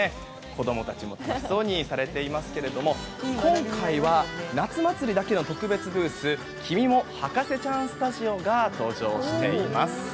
子供たちも楽しそうにされていますけど今回は、夏祭りだけの特別ブース君も博士ちゃんスタジオが登場しています。